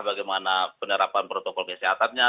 bagaimana penerapan protokol kesehatannya